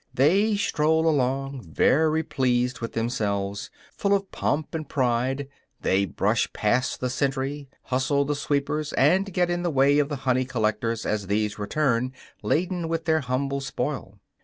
They stroll along, very pleased with themselves, full of pomp and pride; they brush past the sentry, hustle the sweepers, and get in the way of the honey collectors as these return laden with their humble spoil.